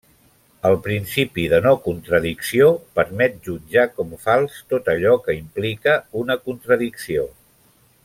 El principi de no contradicció permet jutjar com fals tot allò que implica una contradicció.